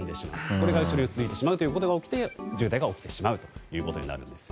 これが後ろに続いてしまって渋滞が起きてしまうということになるんです。